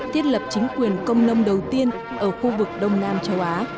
thiết lập chính quyền công nông đầu tiên ở khu vực đông nam châu á